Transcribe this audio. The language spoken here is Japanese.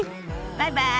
バイバイ。